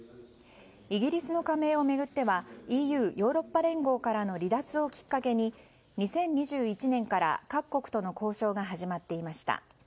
イギリスの加盟を巡ってはＥＵ・ヨーロッパ連合からの離脱をきっかけに２０２１年から各国との交渉が始まっていました。